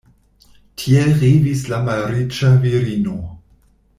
Tiel revis la malriĉa virino.